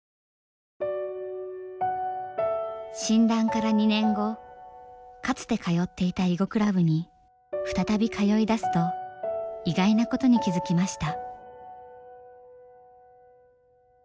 診断から２年後かつて通っていた囲碁クラブに再び通いだすと意外なことに気付きました。